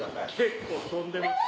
結構跳んでます。